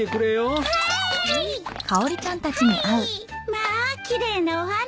まあ奇麗なお花。